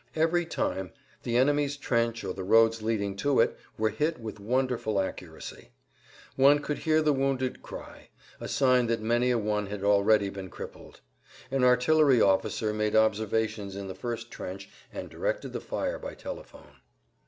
Every time the enemy's trench or the roads leading to it were hit with wonderful accuracy. One could hear the wounded cry, a sign that many a one had already been crippled. An artillery officer made observations in the first trench and directed the fire by telephone.